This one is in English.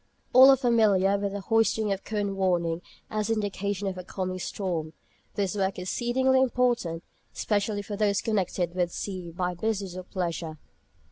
All are familiar with the hoisting of cone warning as indication of a coming storm. This work is exceedingly important, especially for those connected with the sea by business or pleasure.